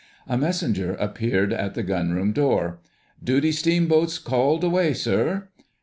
A messenger appeared at the gunroom door— "Duty Steam Boat's called away, sir."